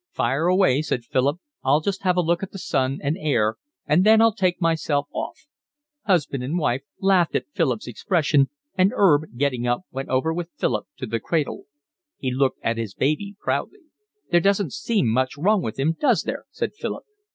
"Fire away," said Philip. "I'll just have a look at the son and heir and then I'll take myself off." Husband and wife laughed at Philip's expression, and 'Erb getting up went over with Philip to the cradle. He looked at his baby proudly. "There doesn't seem much wrong with him, does there?" said Philip.